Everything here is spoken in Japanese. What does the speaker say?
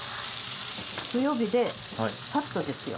強火でサッとですよ。